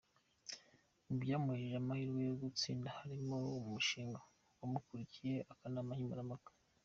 Mu byamuhesheje amahirwe yo gutsinda harimo n'umushinga yamurikiye akanama nkemurampaka.